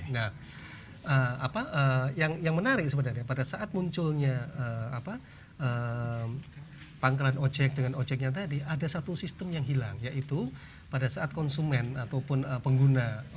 nah apa yang menarik sebenarnya pada saat munculnya pangkalan ojek dengan ojeknya tadi ada satu sistem yang hilang yaitu pada saat konsumen ataupun pengguna